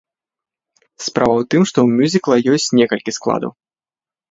Справа ў тым, што ў мюзікла ёсць некалькі складаў.